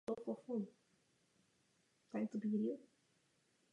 U vosy obecné je kresba odlišná a větší.